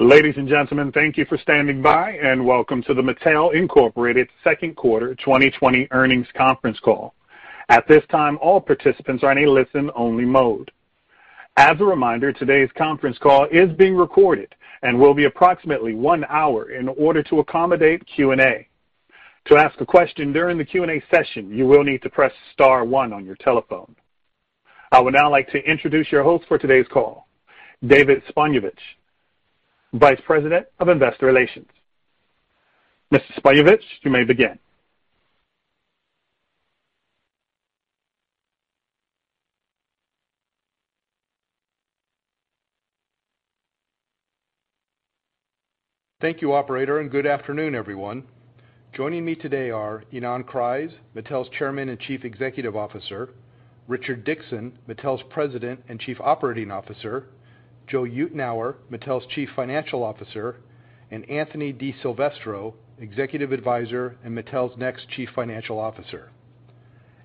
Ladies and gentlemen, thank you for standing by, and welcome to the Mattel Incorporated second quarter 2020 earnings conference call. At this time, all participants are in a listen-only mode. As a reminder, today's conference call is being recorded and will be approximately one hour in order to accommodate Q&A. To ask a question during the Q&A session, you will need to press star one on your telephone. I would now like to introduce your host for today's call, David Zbojniewicz, Vice President of Investor Relations. Mr. Zbojniewicz, you may begin. Thank you, Operator, and good afternoon, everyone. Joining me today are Ynon Kreiz, Mattel's Chairman and Chief Executive Officer; Richard Dickson, Mattel's President and Chief Operating Officer; Joe Euteneuer, Mattel's Chief Financial Officer; and Anthony DiSilvestro, Executive Advisor and Mattel's next Chief Financial Officer.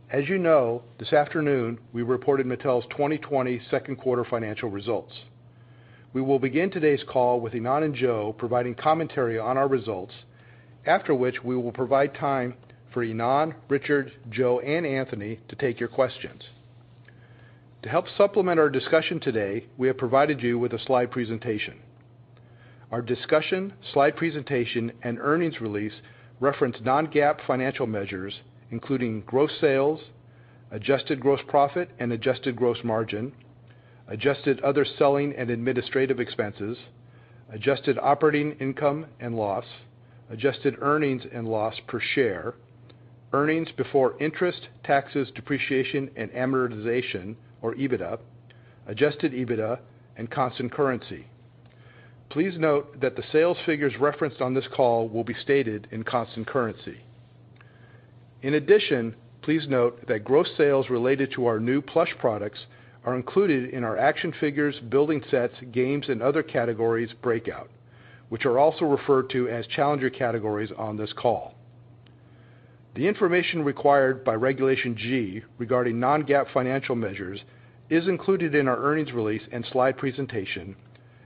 As you know, this afternoon we reported Mattel's 2020 second quarter financial results. We will begin today's call with Ynon and Joe providing commentary on our results, after which we will provide time for Ynon, Richard, Joe, and Anthony to take your questions. To help supplement our discussion today, we have provided you with a slide presentation. Our discussion, slide presentation, and earnings release reference non-GAAP financial measures, including gross sales, adjusted gross profit and adjusted gross margin, adjusted other selling and administrative expenses, adjusted operating income and loss, adjusted earnings and loss per share, earnings before interest, taxes, depreciation, and amortization, or EBITDA, adjusted EBITDA, and constant currency. Please note that the sales figures referenced on this call will be stated in constant currency. In addition, please note that gross sales related to our new plush products are included in our action figures, building sets, games, and other categories breakout, which are also referred to as challenger categories on this call. The information required by Regulation G regarding non-GAAP financial measures is included in our earnings release and slide presentation,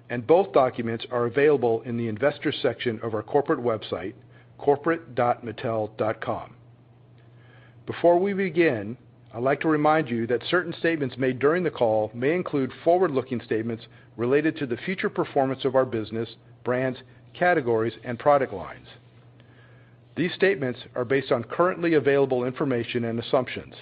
and both documents are available in the investor section of our corporate website, corporate.mattel.com. Before we begin, I'd like to remind you that certain statements made during the call may include forward-looking statements related to the future performance of our business, brands, categories, and product lines. These statements are based on currently available information and assumptions,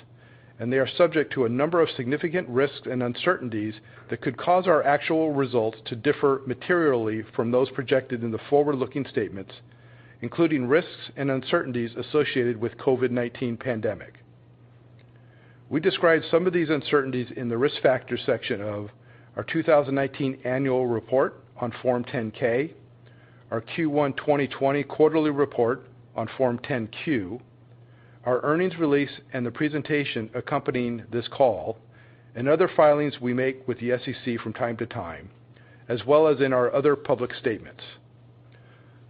and they are subject to a number of significant risks and uncertainties that could cause our actual results to differ materially from those projected in the forward-looking statements, including risks and uncertainties associated with the COVID-19 pandemic. We describe some of these uncertainties in the risk factor section of our 2019 annual report on Form 10-K, our Q1 2020 quarterly report on Form 10-Q, our earnings release and the presentation accompanying this call, and other filings we make with the SEC from time to time, as well as in our other public statements.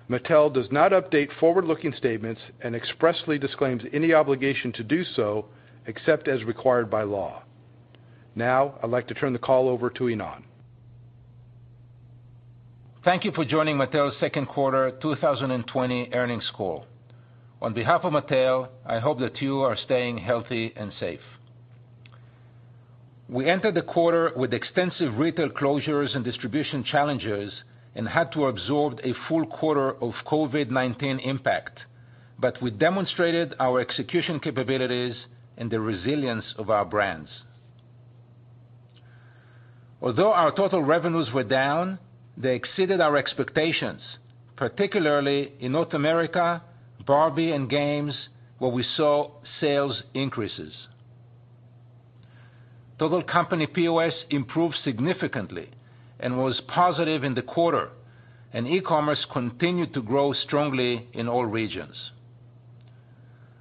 Mattel does not update forward-looking statements and expressly disclaims any obligation to do so except as required by law. Now, I'd like to turn the call over to Ynon. Thank you for joining Mattel's second quarter 2020 earnings call. On behalf of Mattel, I hope that you are staying healthy and safe. We entered the quarter with extensive retail closures and distribution challenges and had to absorb a full quarter of COVID-19 impact, but we demonstrated our execution capabilities and the resilience of our brands. Although our total revenues were down, they exceeded our expectations, particularly in North America, Barbie, and games, where we saw sales increases. Total company POS improved significantly and was positive in the quarter, and e-commerce continued to grow strongly in all regions.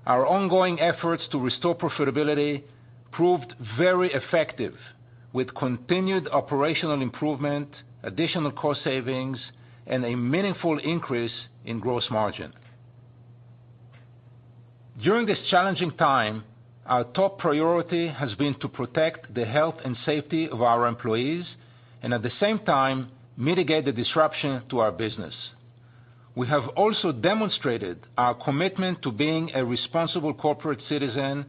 Our ongoing efforts to restore profitability proved very effective, with continued operational improvement, additional cost savings, and a meaningful increase in gross margin. During this challenging time, our top priority has been to protect the health and safety of our employees and, at the same time, mitigate the disruption to our business. We have also demonstrated our commitment to being a responsible corporate citizen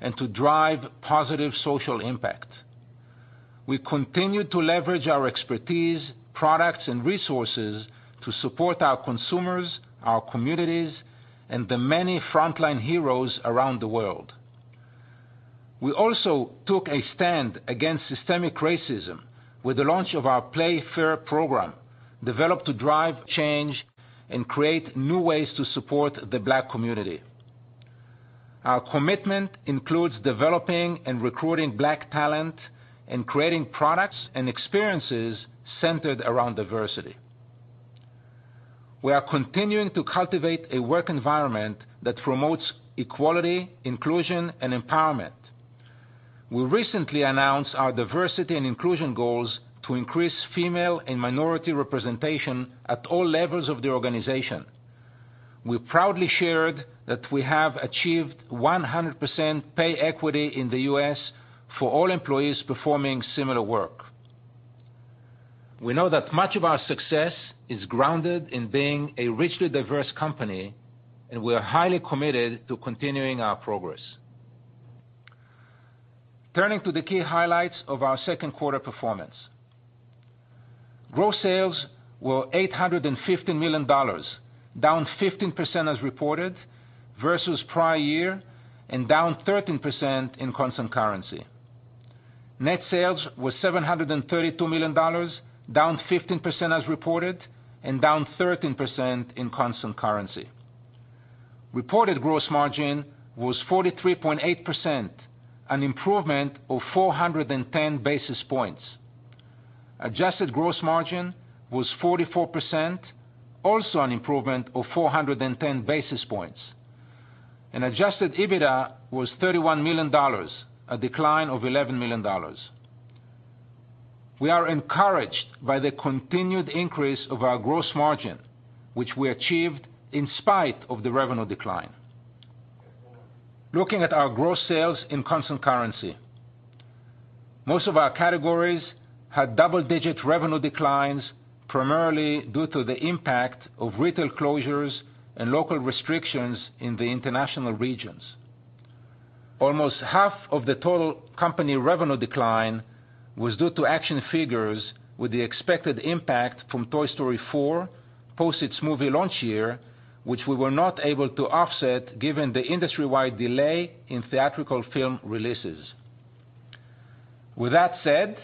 and to drive positive social impact. We continue to leverage our expertise, products, and resources to support our consumers, our communities, and the many frontline heroes around the world. We also took a stand against systemic racism with the launch of our Play Fair program, developed to drive change and create new ways to support the Black community. Our commitment includes developing and recruiting Black talent and creating products and experiences centered around diversity. We are continuing to cultivate a work environment that promotes equality, inclusion, and empowerment. We recently announced our diversity and inclusion goals to increase female and minority representation at all levels of the organization. We proudly shared that we have achieved 100% pay equity in the U.S. for all employees performing similar work. We know that much of our success is grounded in being a richly diverse company, and we are highly committed to continuing our progress. Turning to the key highlights of our second quarter performance, gross sales were $815 million, down 15% as reported, versus prior year, and down 13% in constant currency. Net sales were $732 million, down 15% as reported, and down 13% in constant currency. Reported gross margin was 43.8%, an improvement of 410 basis points. Adjusted gross margin was 44%, also an improvement of 410 basis points. Adjusted EBITDA was $31 million, a decline of $11 million. We are encouraged by the continued increase of our gross margin, which we achieved in spite of the revenue decline. Looking at our gross sales in constant currency, most of our categories had double-digit revenue declines, primarily due to the impact of retail closures and local restrictions in the international regions. Almost half of the total company revenue decline was due to action figures, with the expected impact from Toy Story 4 post its movie launch year, which we were not able to offset given the industry-wide delay in theatrical film releases. With that said,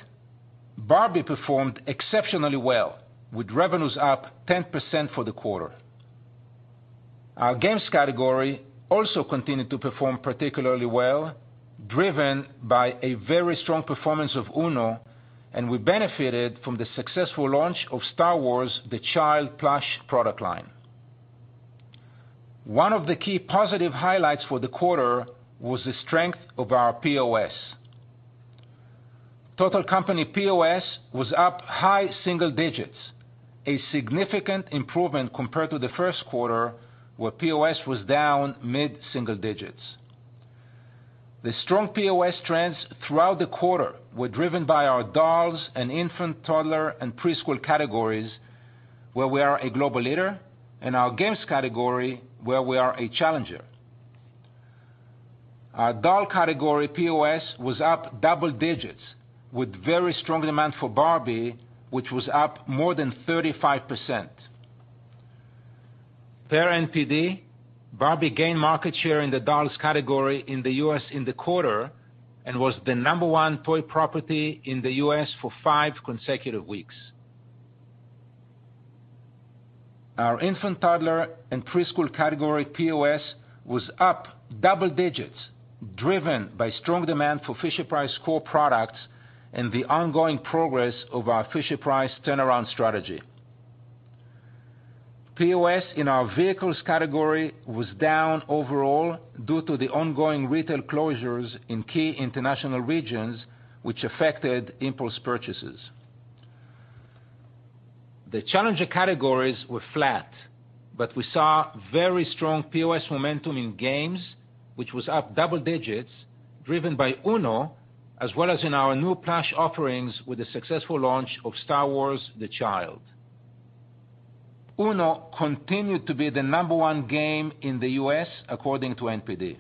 Barbie performed exceptionally well, with revenues up 10% for the quarter. Our games category also continued to perform particularly well, driven by a very strong performance of Uno, and we benefited from the successful launch of Star Wars: The Child plush product line. One of the key positive highlights for the quarter was the strength of our POS. Total company POS was up high single digits, a significant improvement compared to the first quarter, where POS was down mid-single digits. The strong POS trends throughout the quarter were driven by our dolls and infant, toddler, and preschool categories, where we are a global leader, and our games category, where we are a challenger. Our doll category POS was up double digits, with very strong demand for Barbie, which was up more than 35%. Per NPD, Barbie gained market share in the dolls category in the U.S. in the quarter and was the number one toy property in the U.S. for five consecutive weeks. Our infant, toddler, and preschool category POS was up double digits, driven by strong demand for Fisher-Price core products and the ongoing progress of our Fisher-Price turnaround strategy. POS in our vehicles category was down overall due to the ongoing retail closures in key international regions, which affected impulse purchases. The challenger categories were flat, but we saw very strong POS momentum in games, which was up double digits, driven by Uno, as well as in our new plush offerings with the successful launch of Star Wars: The Child. Uno continued to be the number one game in the U.S., according to NPD.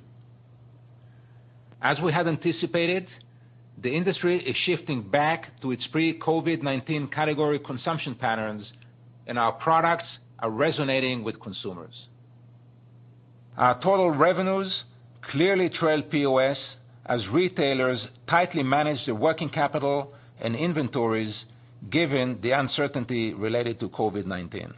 As we had anticipated, the industry is shifting back to its pre-COVID-19 category consumption patterns, and our products are resonating with consumers. Our total revenues clearly trail POS, as retailers tightly manage their working capital and inventories, given the uncertainty related to COVID-19.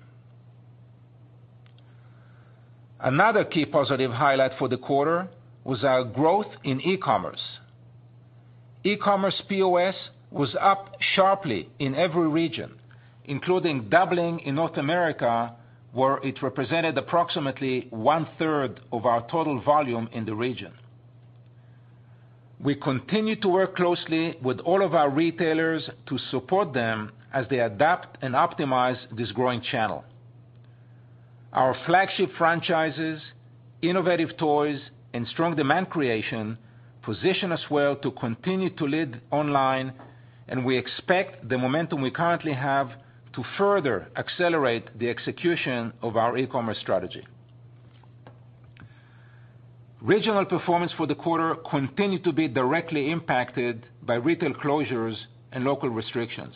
Another key positive highlight for the quarter was our growth in e-commerce. E-commerce POS was up sharply in every region, including doubling in North America, where it represented approximately one-third of our total volume in the region. We continue to work closely with all of our retailers to support them as they adapt and optimize this growing channel. Our flagship franchises, innovative toys, and strong demand creation position us well to continue to lead online, and we expect the momentum we currently have to further accelerate the execution of our e-commerce strategy. Regional performance for the quarter continued to be directly impacted by retail closures and local restrictions.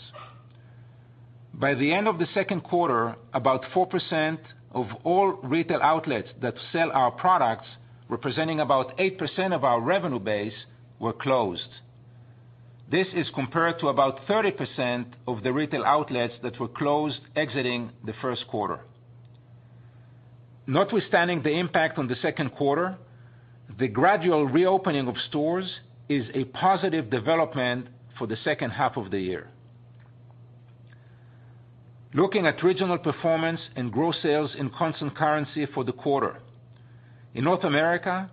By the end of the second quarter, about 4% of all retail outlets that sell our products, representing about 8% of our revenue base, were closed. This is compared to about 30% of the retail outlets that were closed exiting the first quarter. Notwithstanding the impact on the second quarter, the gradual reopening of stores is a positive development for the second half of the year. Looking at regional performance and gross sales in constant currency for the quarter, in North America,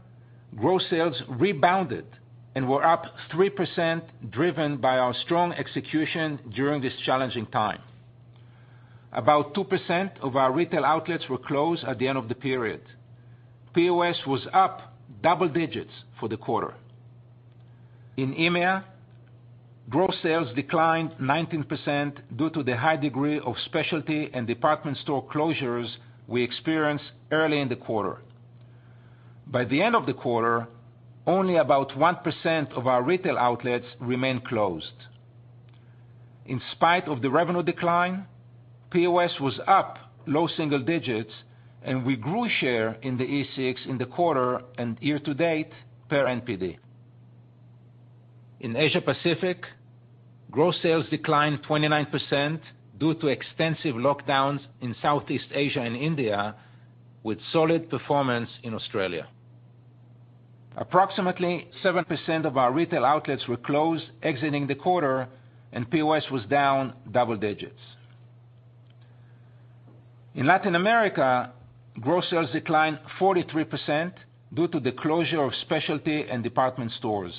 gross sales rebounded and were up 3%, driven by our strong execution during this challenging time. About 2% of our retail outlets were closed at the end of the period. POS was up double digits for the quarter. In EMEA, gross sales declined 19% due to the high degree of specialty and department store closures we experienced early in the quarter. By the end of the quarter, only about 1% of our retail outlets remained closed. In spite of the revenue decline, POS was up low single digits, and we grew share in the E6 in the quarter and year-to-date per NPD. In Asia-Pacific, gross sales declined 29% due to extensive lockdowns in Southeast Asia and India, with solid performance in Australia. Approximately 7% of our retail outlets were closed exiting the quarter, and POS was down double digits. In Latin America, gross sales declined 43% due to the closure of specialty and department stores.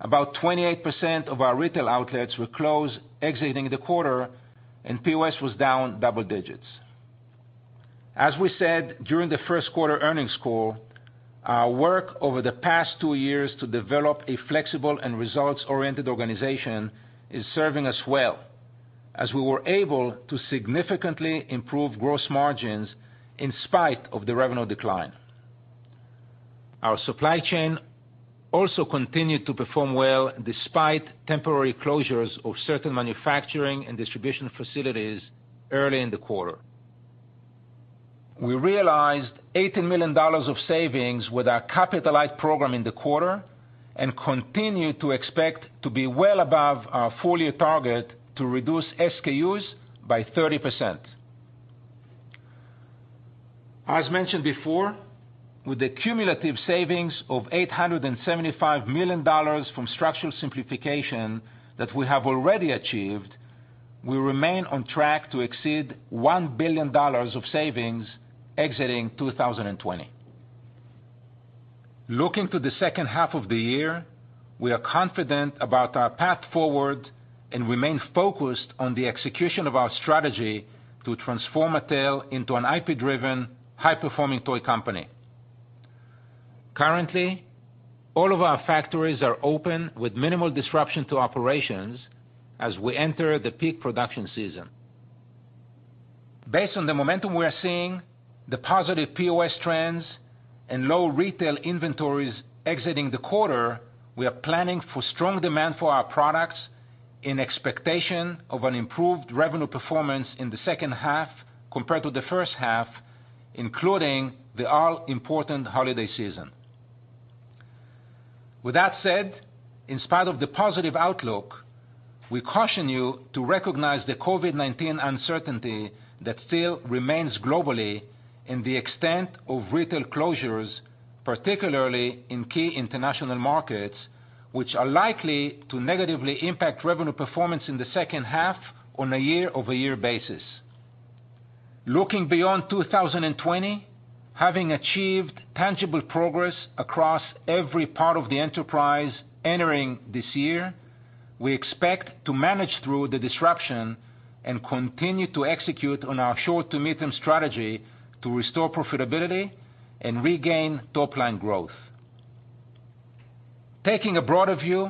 About 28% of our retail outlets were closed exiting the quarter, and POS was down double digits. As we said during the first quarter earnings call, our work over the past two years to develop a flexible and results-oriented organization is serving us well, as we were able to significantly improve gross margins in spite of the revenue decline. Our supply chain also continued to perform well despite temporary closures of certain manufacturing and distribution facilities early in the quarter. We realized $18 million of savings with our Capitalight program in the quarter and continue to expect to be well above our four-year target to reduce SKUs by 30%. As mentioned before, with the cumulative savings of $875 million from structural simplification that we have already achieved, we remain on track to exceed $1 billion of savings exiting 2020. Looking to the second half of the year, we are confident about our path forward and remain focused on the execution of our strategy to transform Mattel into an IP-driven, high-performing toy company. Currently, all of our factories are open with minimal disruption to operations as we enter the peak production season. Based on the momentum we are seeing, the positive POS trends, and low retail inventories exiting the quarter, we are planning for strong demand for our products in expectation of an improved revenue performance in the second half compared to the first half, including the all-important holiday season. With that said, in spite of the positive outlook, we caution you to recognize the COVID-19 uncertainty that still remains globally and the extent of retail closures, particularly in key international markets, which are likely to negatively impact revenue performance in the second half on a year-over-year basis. Looking beyond 2020, having achieved tangible progress across every part of the enterprise entering this year, we expect to manage through the disruption and continue to execute on our short-to-medium strategy to restore profitability and regain top-line growth. Taking a broader view,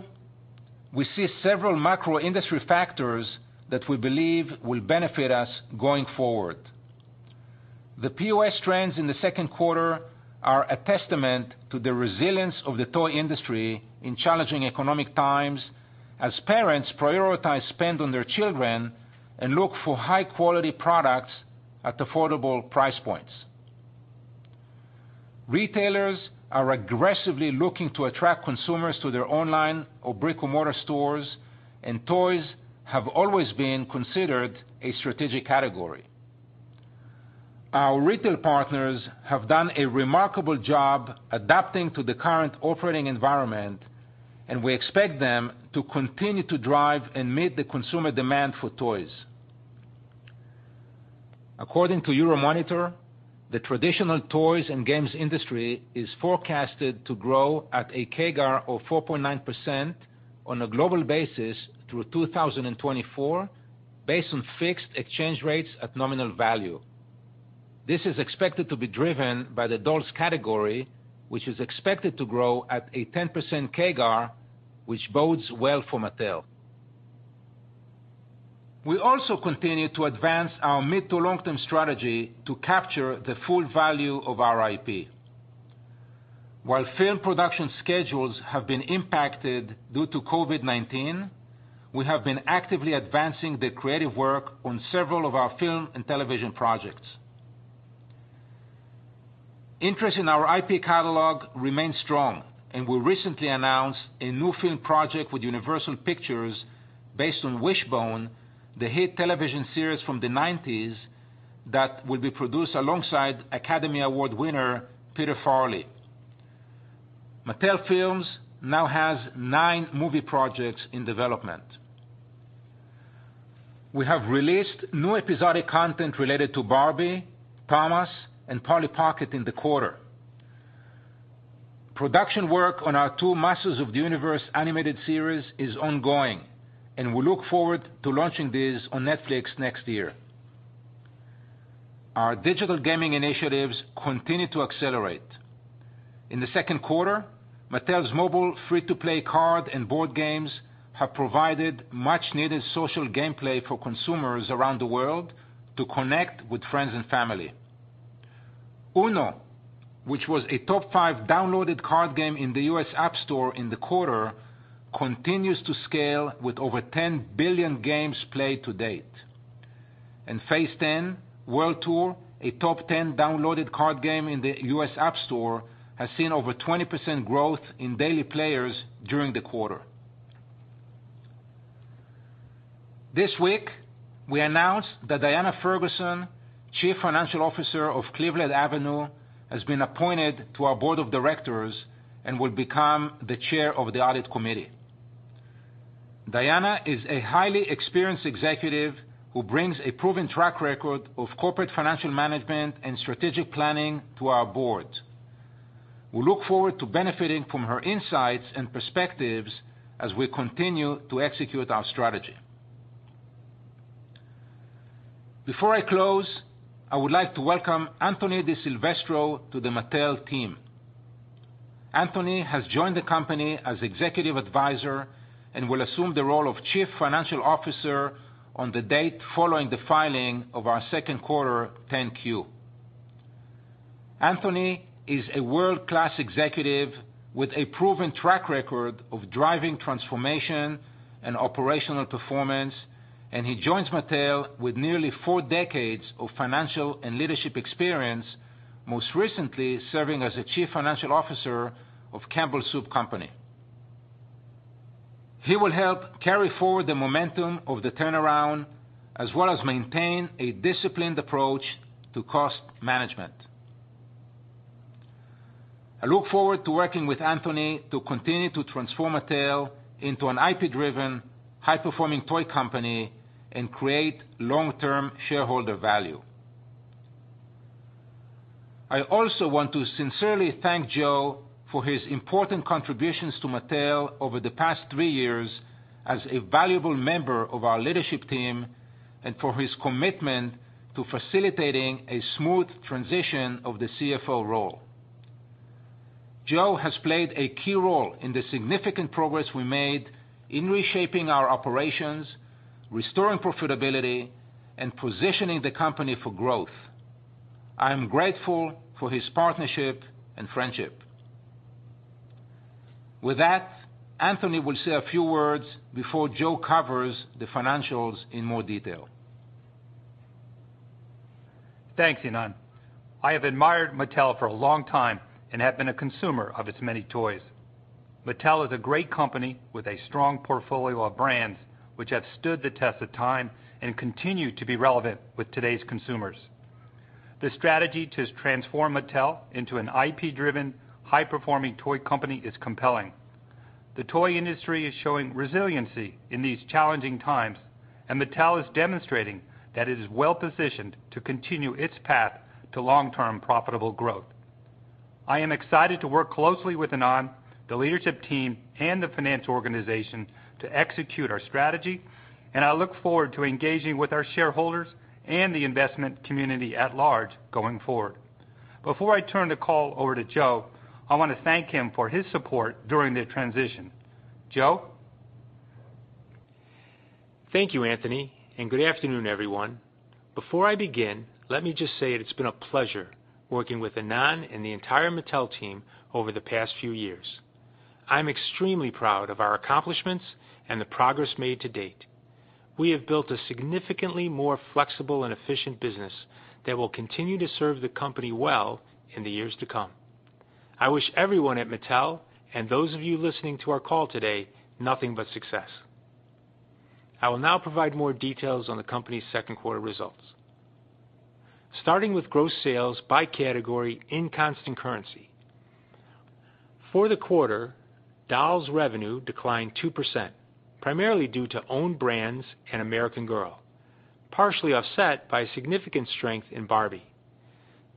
we see several macro-industry factors that we believe will benefit us going forward. The POS trends in the second quarter are a testament to the resilience of the toy industry in challenging economic times, as parents prioritize spending on their children and look for high-quality products at affordable price points. Retailers are aggressively looking to attract consumers to their online or brick-and-mortar stores, and toys have always been considered a strategic category. Our retail partners have done a remarkable job adapting to the current operating environment, and we expect them to continue to drive and meet the consumer demand for toys. According to Euromonitor, the traditional toys and games industry is forecasted to grow at a CAGR of 4.9% on a global basis through 2024, based on fixed exchange rates at nominal value. This is expected to be driven by the dolls category, which is expected to grow at a 10% CAGR, which bodes well for Mattel. We also continue to advance our mid-to-long-term strategy to capture the full value of our IP. While film production schedules have been impacted due to COVID-19, we have been actively advancing the creative work on several of our film and television projects. Interest in our IP catalog remains strong, and we recently announced a new film project with Universal Pictures based on Wishbone, the hit television series from the 1990s that will be produced alongside Academy Award winner Peter Farrelly. Mattel Films now has nine movie projects in development. We have released new episodic content related to Barbie, Thomas & Friends, and Polly Pocket in the quarter. Production work on our two Masters of the Universe animated series is ongoing, and we look forward to launching these on Netflix next year. Our digital gaming initiatives continue to accelerate. In the second quarter, Mattel's mobile free-to-play card and board games have provided much-needed social gameplay for consumers around the world to connect with friends and family. Uno, which was a top five downloaded card game in the U.S. App Store in the quarter, continues to scale with over 10 billion games played to date. Phase 10, World Tour, a top 10 downloaded card game in the U.S. App Store, has seen over 20% growth in daily players during the quarter. This week, we announced that Diana Ferguson, Chief Financial Officer of Cleveland Avenue, has been appointed to our board of directors and will become the chair of the audit committee. Diana is a highly experienced executive who brings a proven track record of corporate financial management and strategic planning to our board. We look forward to benefiting from her insights and perspectives as we continue to execute our strategy. Before I close, I would like to welcome Anthony DiSilvestro to the Mattel team. Anthony has joined the company as Executive Advisor and will assume the role of Chief Financial Officer on the date following the filing of our second quarter 10Q. Anthony is a world-class executive with a proven track record of driving transformation and operational performance, and he joins Mattel with nearly four decades of financial and leadership experience, most recently serving as Chief Financial Officer of Campbell Soup Company. He will help carry forward the momentum of the turnaround, as well as maintain a disciplined approach to cost management. I look forward to working with Anthony to continue to transform Mattel into an IP-driven, high-performing toy company and create long-term shareholder value. I also want to sincerely thank Joe for his important contributions to Mattel over the past three years as a valuable member of our leadership team and for his commitment to facilitating a smooth transition of the CFO role. Joe has played a key role in the significant progress we made in reshaping our operations, restoring profitability, and positioning the company for growth. I am grateful for his partnership and friendship. With that, Anthony will say a few words before Joe covers the financials in more detail. Thanks, Ynon. I have admired Mattel for a long time and have been a consumer of its many toys. Mattel is a great company with a strong portfolio of brands which have stood the test of time and continue to be relevant with today's consumers. The strategy to transform Mattel into an IP-driven, high-performing toy company is compelling. The toy industry is showing resiliency in these challenging times, and Mattel is demonstrating that it is well-positioned to continue its path to long-term profitable growth. I am excited to work closely with Ynon, the leadership team, and the finance organization to execute our strategy, and I look forward to engaging with our shareholders and the investment community at large going forward. Before I turn the call over to Joe, I want to thank him for his support during the transition. Joe? Thank you, Anthony, and good afternoon, everyone. Before I begin, let me just say it's been a pleasure working with Ynon and the entire Mattel team over the past few years. I'm extremely proud of our accomplishments and the progress made to date. We have built a significantly more flexible and efficient business that will continue to serve the company well in the years to come. I wish everyone at Mattel and those of you listening to our call today nothing but success. I will now provide more details on the company's second quarter results. Starting with gross sales by category in constant currency. For the quarter, Dolls revenue declined 2%, primarily due to own brands and American Girl, partially offset by significant strength in Barbie.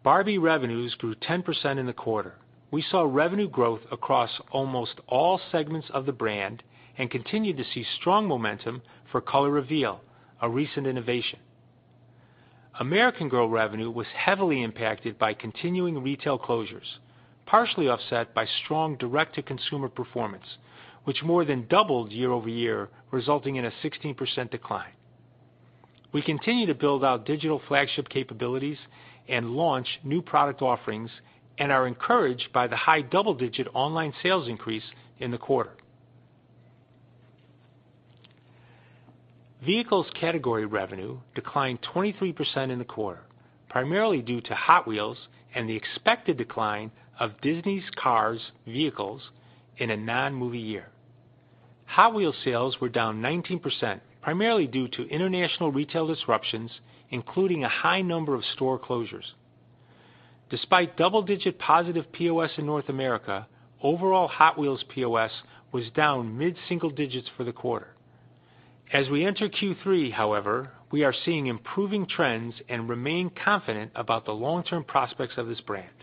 Barbie revenues grew 10% in the quarter. We saw revenue growth across almost all segments of the brand and continued to see strong momentum for Color Reveal, a recent innovation. American Girl revenue was heavily impacted by continuing retail closures, partially offset by strong direct-to-consumer performance, which more than doubled year-over-year, resulting in a 16% decline. We continue to build out digital flagship capabilities and launch new product offerings and are encouraged by the high double-digit online sales increase in the quarter. Vehicles category revenue declined 23% in the quarter, primarily due to Hot Wheels and the expected decline of Disney's Cars vehicles in a non-movie year. Hot Wheels sales were down 19%, primarily due to international retail disruptions, including a high number of store closures. Despite double-digit positive POS in North America, overall Hot Wheels POS was down mid-single digits for the quarter. As we enter Q3, however, we are seeing improving trends and remain confident about the long-term prospects of this brand.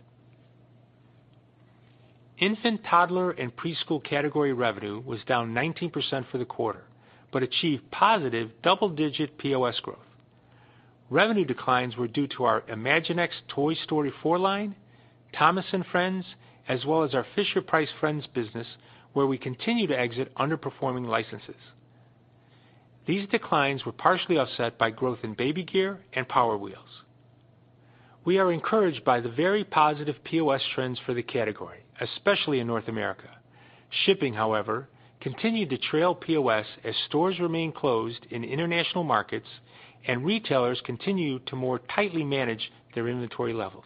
Infant, toddler, and preschool category revenue was down 19% for the quarter but achieved positive double-digit POS growth. Revenue declines were due to our Imaginext Toy Story 4 line, Thomas & Friends, as well as our Fisher-Price Friends business, where we continue to exit underperforming licenses. These declines were partially offset by growth in baby gear and Power Wheels. We are encouraged by the very positive POS trends for the category, especially in North America. Shipping, however, continued to trail POS as stores remain closed in international markets and retailers continue to more tightly manage their inventory levels.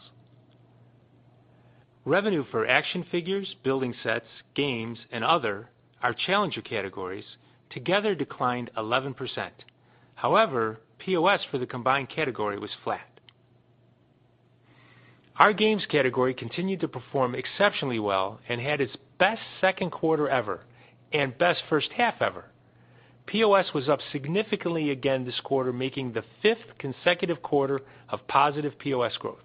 Revenue for action figures, building sets, games, and other challenger categories together declined 11%. However, POS for the combined category was flat. Our games category continued to perform exceptionally well and had its best second quarter ever and best first half ever. POS was up significantly again this quarter, making the fifth consecutive quarter of positive POS growth.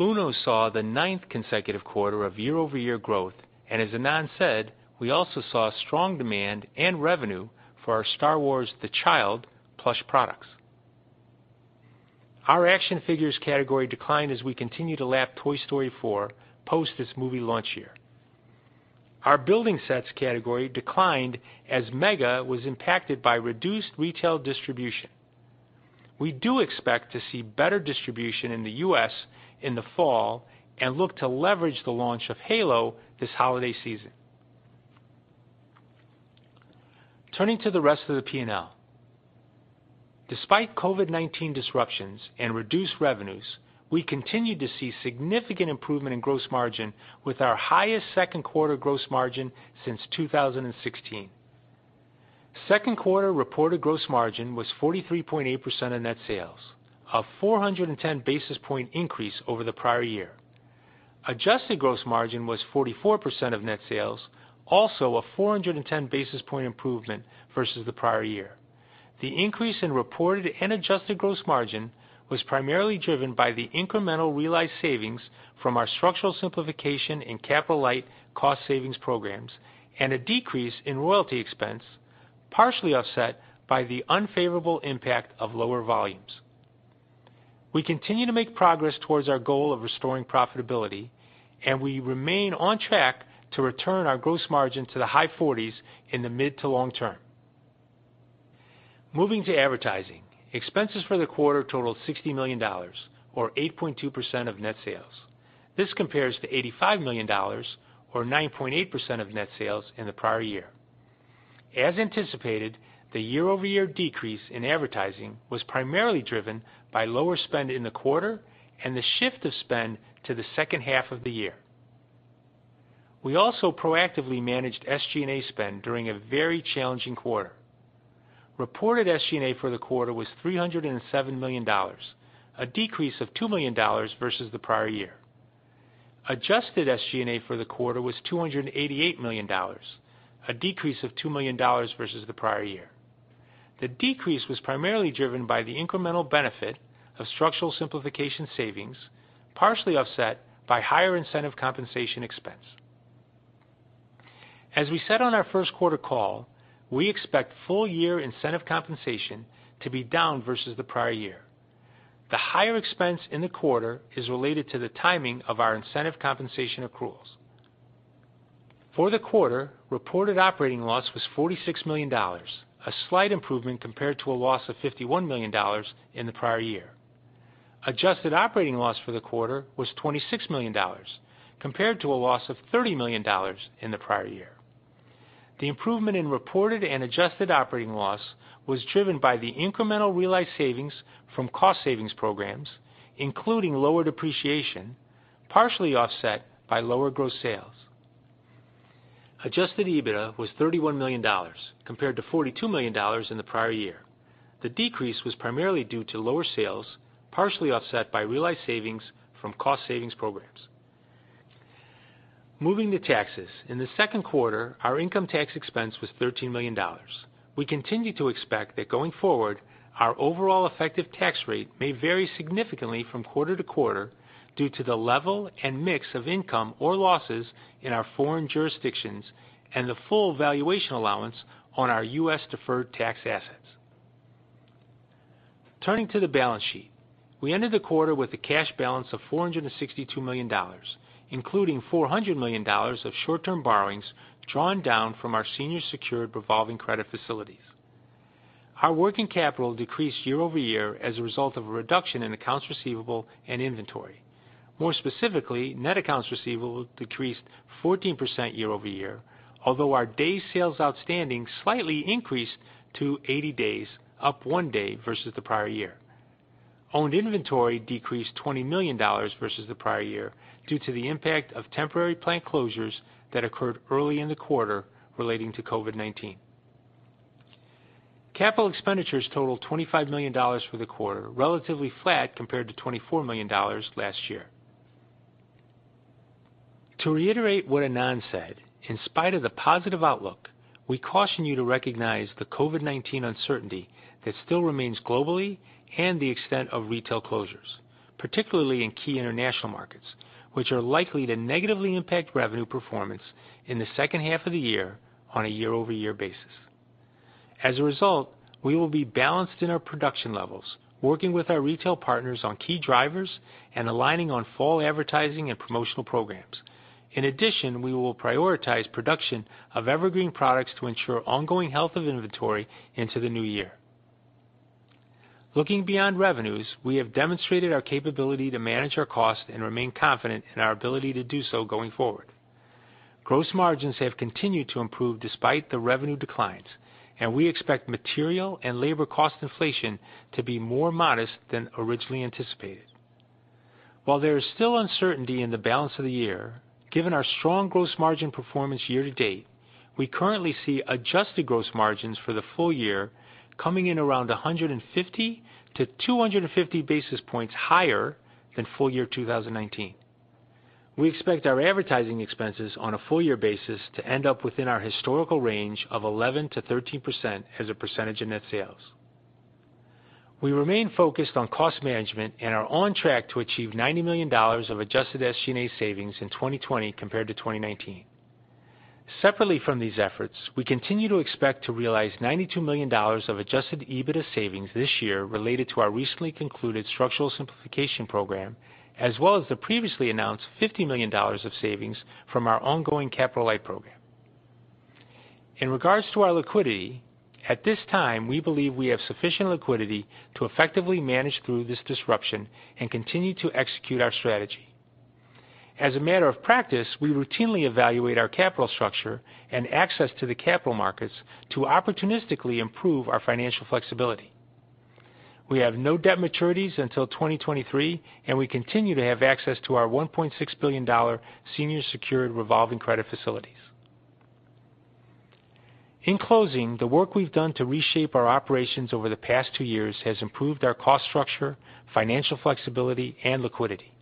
Uno saw the ninth consecutive quarter of year-over-year growth, and as Ynon said, we also saw strong demand and revenue for our Star Wars: The Child plush products. Our action figures category declined as we continue to lap Toy Story 4 post this movie launch year. Our building sets category declined as Mega was impacted by reduced retail distribution. We do expect to see better distribution in the U.S. in the fall and look to leverage the launch of Halo this holiday season. Turning to the rest of the P&L. Despite COVID-19 disruptions and reduced revenues, we continued to see significant improvement in gross margin with our highest second quarter gross margin since 2016. Second quarter reported gross margin was 43.8% of net sales, a 410 basis point increase over the prior year. Adjusted gross margin was 44% of net sales, also a 410 basis point improvement versus the prior year. The increase in reported and adjusted gross margin was primarily driven by the incremental realized savings from our structural simplification and capital light cost savings programs and a decrease in royalty expense, partially offset by the unfavorable impact of lower volumes. We continue to make progress towards our goal of restoring profitability, and we remain on track to return our gross margin to the high 40s in the mid to long term. Moving to advertising, expenses for the quarter totaled $60 million, or 8.2% of net sales. This compares to $85 million, or 9.8% of net sales in the prior year. As anticipated, the year-over-year decrease in advertising was primarily driven by lower spend in the quarter and the shift of spend to the second half of the year. We also proactively managed SG&A spend during a very challenging quarter. Reported SG&A for the quarter was $307 million, a decrease of $2 million versus the prior year. Adjusted SG&A for the quarter was $288 million, a decrease of $2 million versus the prior year. The decrease was primarily driven by the incremental benefit of structural simplification savings, partially offset by higher incentive compensation expense. As we said on our first quarter call, we expect full-year incentive compensation to be down versus the prior year. The higher expense in the quarter is related to the timing of our incentive compensation accruals. For the quarter, reported operating loss was $46 million, a slight improvement compared to a loss of $51 million in the prior year. Adjusted operating loss for the quarter was $26 million, compared to a loss of $30 million in the prior year. The improvement in reported and adjusted operating loss was driven by the incremental realized savings from cost savings programs, including lower depreciation, partially offset by lower gross sales. Adjusted EBITDA was $31 million, compared to $42 million in the prior year. The decrease was primarily due to lower sales, partially offset by realized savings from cost savings programs. Moving to taxes, in the second quarter, our income tax expense was $13 million. We continue to expect that going forward, our overall effective tax rate may vary significantly from quarter to quarter due to the level and mix of income or losses in our foreign jurisdictions and the full valuation allowance on our U.S.-deferred tax assets. Turning to the balance sheet, we ended the quarter with a cash balance of $462 million, including $400 million of short-term borrowings drawn down from our senior secured revolving credit facilities. Our working capital decreased year-over-year as a result of a reduction in accounts receivable and inventory. More specifically, net accounts receivable decreased 14% year-over-year, although our day sales outstanding slightly increased to 80 days, up one day versus the prior year. Owned inventory decreased $20 million versus the prior year due to the impact of temporary plant closures that occurred early in the quarter relating to COVID-19. Capital expenditures totaled $25 million for the quarter, relatively flat compared to $24 million last year. To reiterate what Ynon said, in spite of the positive outlook, we caution you to recognize the COVID-19 uncertainty that still remains globally and the extent of retail closures, particularly in key international markets, which are likely to negatively impact revenue performance in the second half of the year on a year-over-year basis. As a result, we will be balanced in our production levels, working with our retail partners on key drivers and aligning on fall advertising and promotional programs. In addition, we will prioritize production of evergreen products to ensure ongoing health of inventory into the new year. Looking beyond revenues, we have demonstrated our capability to manage our costs and remain confident in our ability to do so going forward. Gross margins have continued to improve despite the revenue declines, and we expect material and labor cost inflation to be more modest than originally anticipated. While there is still uncertainty in the balance of the year, given our strong gross margin performance year to date, we currently see adjusted gross margins for the full year coming in around 150-250 basis points higher than full year 2019. We expect our advertising expenses on a full year basis to end up within our historical range of 11-13% as a percentage of net sales. We remain focused on cost management and are on track to achieve $90 million of adjusted SG&A savings in 2020 compared to 2019. Separately from these efforts, we continue to expect to realize $92 million of adjusted EBITDA savings this year related to our recently concluded structural simplification program, as well as the previously announced $50 million of savings from our ongoing capital light program. In regards to our liquidity, at this time, we believe we have sufficient liquidity to effectively manage through this disruption and continue to execute our strategy. As a matter of practice, we routinely evaluate our capital structure and access to the capital markets to opportunistically improve our financial flexibility. We have no debt maturities until 2023, and we continue to have access to our $1.6 billion senior secured revolving credit facilities. In closing, the work we've done to reshape our operations over the past two years has improved our cost structure, financial flexibility, and liquidity.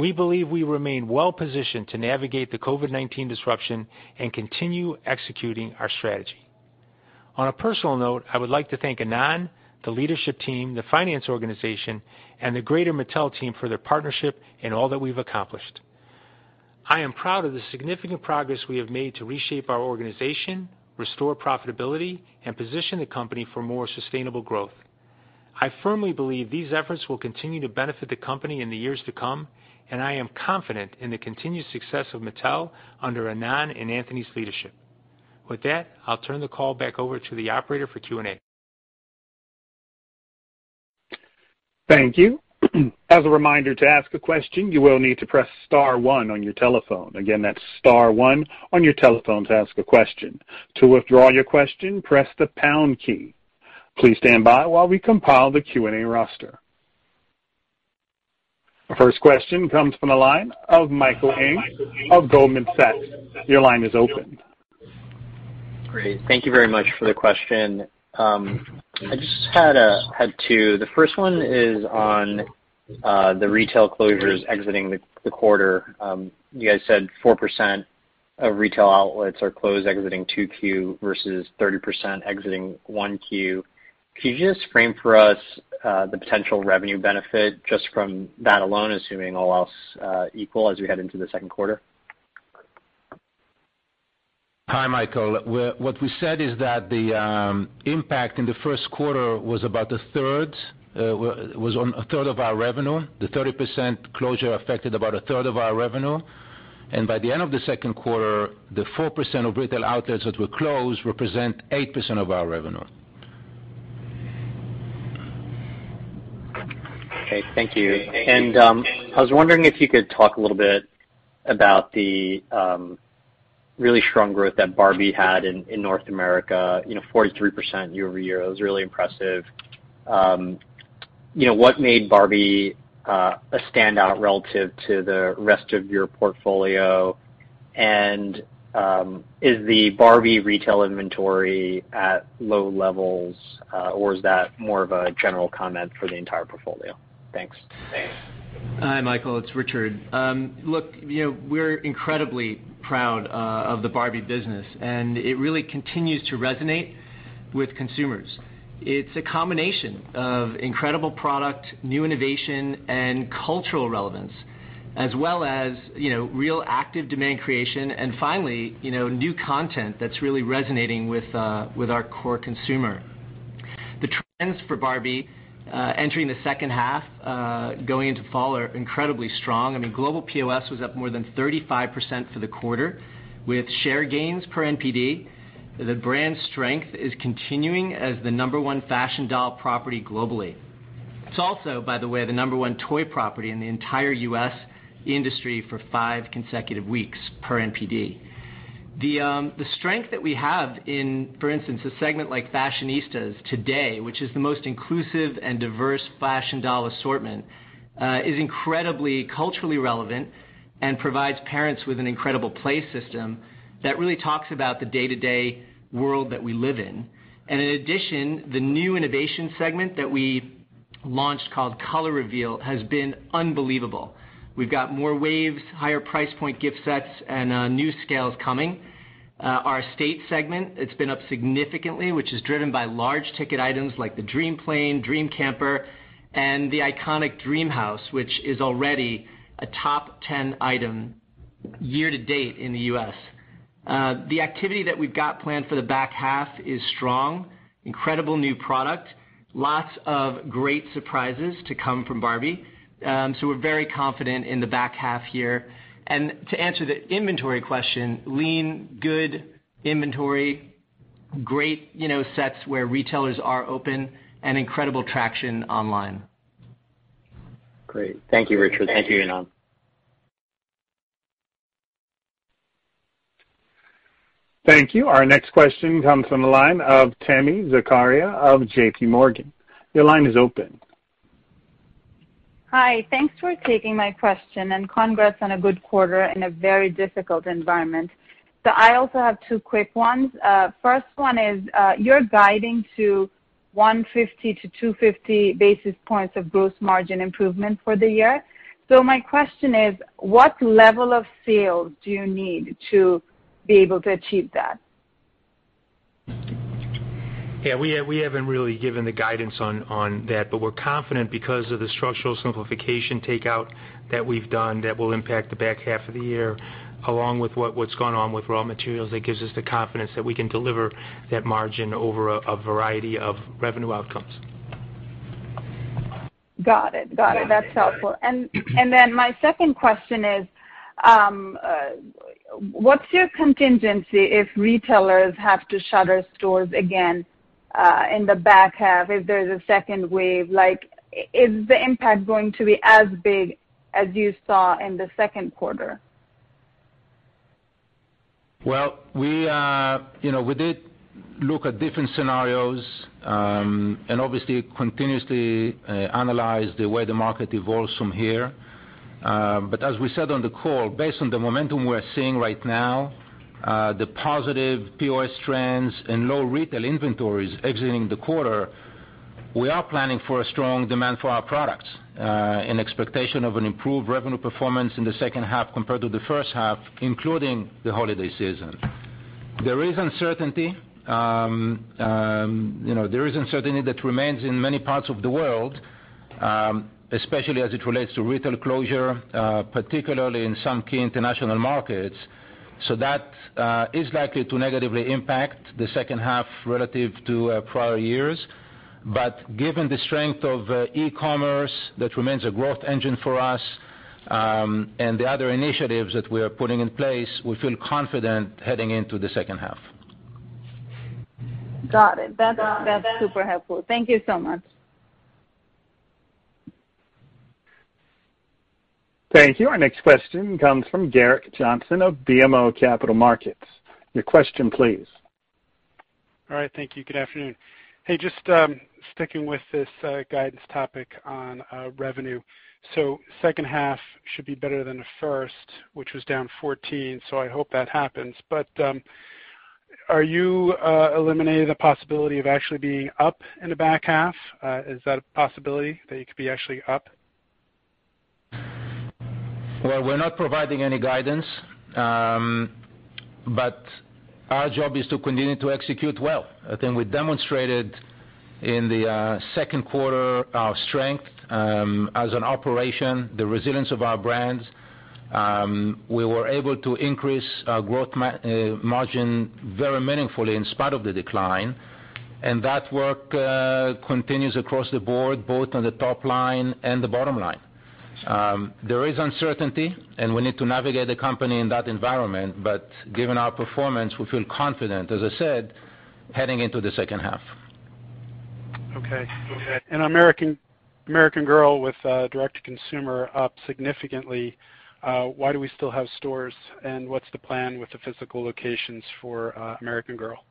We believe we remain well-positioned to navigate the COVID-19 disruption and continue executing our strategy. On a personal note, I would like to thank Ynon, the leadership team, the finance organization, and the Greater Mattel team for their partnership in all that we've accomplished. I am proud of the significant progress we have made to reshape our organization, restore profitability, and position the company for more sustainable growth. I firmly believe these efforts will continue to benefit the company in the years to come, and I am confident in the continued success of Mattel under Ynon and Anthony's leadership. With that, I'll turn the call back over to the operator for Q&A. Thank you. As a reminder to ask a question, you will need to press star one on your telephone. Again, that's star one on your telephone to ask a question. To withdraw your question, press the pound key. Please stand by while we compile the Q&A roster. Our first question comes from the line of Michael Ng of Goldman Sachs. Your line is open. Great. Thank you very much for the question. I just had two. The first one is on the retail closures exiting the quarter. You guys said 4% of retail outlets are closed exiting 2Q versus 30% exiting 1Q. Could you just frame for us the potential revenue benefit just from that alone, assuming all else equal as we head into the second quarter? Hi, Michael. What we said is that the impact in the first quarter was about a third of our revenue. The 30% closure affected about a third of our revenue. By the end of the second quarter, the 4% of retail outlets that were closed represent 8% of our revenue. Okay. Thank you. I was wondering if you could talk a little bit about the really strong growth that Barbie had in North America, 43% year-over-year. It was really impressive. What made Barbie a standout relative to the rest of your portfolio? Is the Barbie retail inventory at low levels, or is that more of a general comment for the entire portfolio? Thanks. Thanks. Hi, Michael. It's Richard. Look, we're incredibly proud of the Barbie business, and it really continues to resonate with consumers. It's a combination of incredible product, new innovation, and cultural relevance, as well as real active demand creation, and finally, new content that's really resonating with our core consumer. The trends for Barbie entering the second half, going into fall, are incredibly strong. I mean, global POS was up more than 35% for the quarter, with share gains per NPD. The brand strength is continuing as the number one fashion doll property globally. It's also, by the way, the number one toy property in the entire U.S. industry for five consecutive weeks per NPD. The strength that we have in, for instance, a segment like Fashionistas today, which is the most inclusive and diverse fashion doll assortment, is incredibly culturally relevant and provides parents with an incredible play system that really talks about the day-to-day world that we live in. In addition, the new innovation segment that we launched called Color Reveal has been unbelievable. We've got more waves, higher price point gift sets, and new scales coming. Our estate segment, it's been up significantly, which is driven by large ticket items like the Dream Plane, Dream Camper, and the iconic Dream House, which is already a top 10 item year to date in the U.S. The activity that we've got planned for the back half is strong, incredible new product, lots of great surprises to come from Barbie. We are very confident in the back half here. To answer the inventory question, lean, good inventory, great sets where retailers are open, and incredible traction online. Great. Thank you, Richard. Thank you, Ynon. Thank you. Our next question comes from the line of Tami Zakaria of JPMorgan. Your line is open. Hi. Thanks for taking my question, and congrats on a good quarter in a very difficult environment. I also have two quick ones. First one is, you're guiding to 150-250 basis points of gross margin improvement for the year. My question is, what level of sales do you need to be able to achieve that? Yeah, we haven't really given the guidance on that, but we're confident because of the structural simplification takeout that we've done that will impact the back half of the year, along with what's gone on with raw materials. That gives us the confidence that we can deliver that margin over a variety of revenue outcomes. Got it. Got it. That's helpful. My second question is, what's your contingency if retailers have to shutter stores again in the back half, if there's a second wave? Is the impact going to be as big as you saw in the second quarter? We did look at different scenarios and obviously continuously analyze the way the market evolves from here. As we said on the call, based on the momentum we're seeing right now, the positive POS trends and low retail inventories exiting the quarter, we are planning for a strong demand for our products in expectation of an improved revenue performance in the second half compared to the first half, including the holiday season. There is uncertainty. There is uncertainty that remains in many parts of the world, especially as it relates to retail closure, particularly in some key international markets. That is likely to negatively impact the second half relative to prior years. Given the strength of e-commerce that remains a growth engine for us and the other initiatives that we are putting in place, we feel confident heading into the second half. Got it. That's super helpful. Thank you so much. Thank you. Our next question comes from Garrett Johnson of BMO Capital Markets. Your question, please. All right. Thank you. Good afternoon. Hey, just sticking with this guidance topic on revenue. Second half should be better than the first, which was down 14%. I hope that happens. Are you eliminating the possibility of actually being up in the back half? Is that a possibility that you could be actually up? We are not providing any guidance, but our job is to continue to execute well. I think we demonstrated in the second quarter our strength as an operation, the resilience of our brands. We were able to increase our gross margin very meaningfully in spite of the decline. That work continues across the board, both on the top line and the bottom line. There is uncertainty, and we need to navigate the company in that environment. Given our performance, we feel confident, as I said, heading into the second half. Okay. American Girl with direct-to-consumer up significantly. Why do we still have stores? What's the plan with the physical locations for American Girl?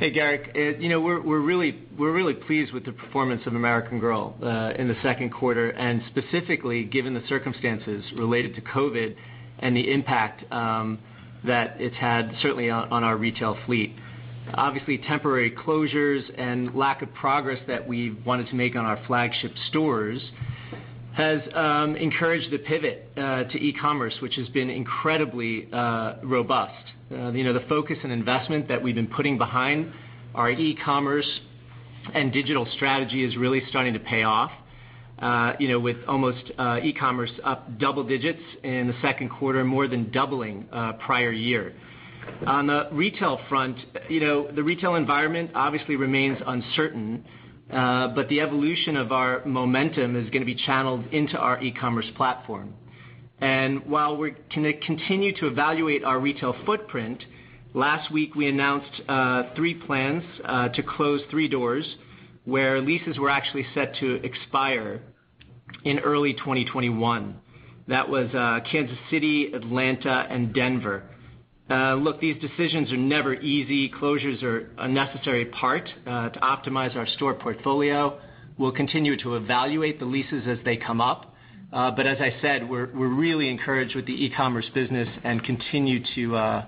Hey, Garrett, we're really pleased with the performance of American Girl in the second quarter, specifically given the circumstances related to COVID and the impact that it's had certainly on our retail fleet. Obviously, temporary closures and lack of progress that we wanted to make on our flagship stores has encouraged the pivot to e-commerce, which has been incredibly robust. The focus and investment that we've been putting behind our e-commerce and digital strategy is really starting to pay off, with almost e-commerce up double digits in the second quarter, more than doubling prior year. On the retail front, the retail environment obviously remains uncertain, but the evolution of our momentum is going to be channeled into our e-commerce platform. While we're going to continue to evaluate our retail footprint, last week we announced plans to close three doors where leases were actually set to expire in early 2021. That was Kansas City, Atlanta, and Denver. Look, these decisions are never easy. Closures are a necessary part to optimize our store portfolio. We'll continue to evaluate the leases as they come up. As I said, we're really encouraged with the e-commerce business and continue to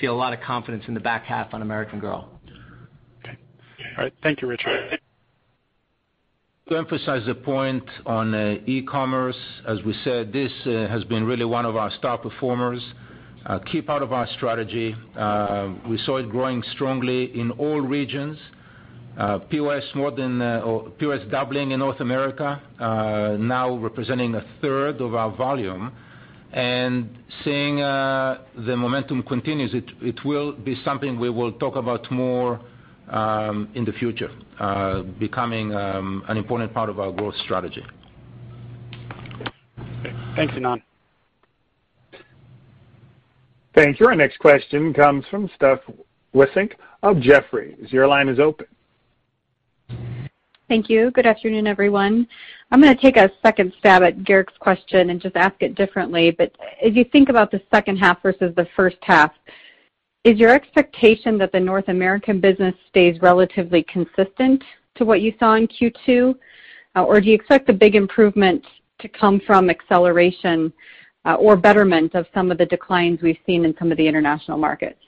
feel a lot of confidence in the back half on American Girl. Okay. All right. Thank you, Richard. To emphasize the point on e-commerce, as we said, this has been really one of our star performers. Key part of our strategy. We saw it growing strongly in all regions. POS doubling in North America, now representing a third of our volume. Seeing the momentum continue, it will be something we will talk about more in the future, becoming an important part of our growth strategy. Thanks, Ynon. Thank you. Our next question comes from Steph Wissink of Jefferies. Your line is open. Thank you. Good afternoon, everyone. I'm going to take a second stab at Garrett's question and just ask it differently. As you think about the second half versus the first half, is your expectation that the North American business stays relatively consistent to what you saw in Q2? Do you expect the big improvement to come from acceleration or betterment of some of the declines we've seen in some of the international markets?